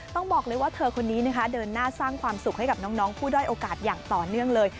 ต้องบอกเลยว่าเธอคนนี้นะคะเดินหน้าสร้างความสุขให้กับน้องผู้ด้อยโอกาสอย่างต่อเนื่องเลย